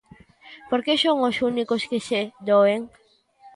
Porque son os únicos que se doen.